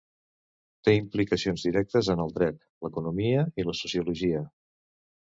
Té implicacions directes en el dret, l'economia i la sociologia.